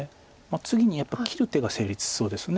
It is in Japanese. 次にやっぱり切る手が成立しそうです。